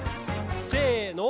せの。